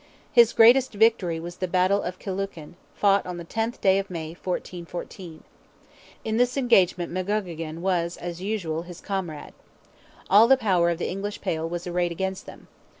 His greatest victory was the battle of Killucan, fought on the 10th day of May, 1414. In this engagement MacGeoghegan was, as usual, his comrade. All the power of the English Pale was arrayed against them.